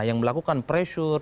yang melakukan pressure